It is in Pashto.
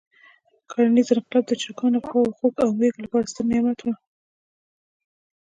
کرنیز انقلاب د چرګانو، غواوو، خوګ او مېږو لپاره ستر نعمت وو.